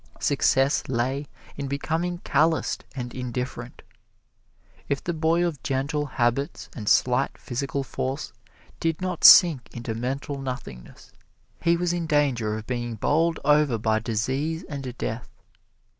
Success lay in becoming calloused and indifferent. If the boy of gentle habits and slight physical force did not sink into mental nothingness, he was in danger of being bowled over by disease and death.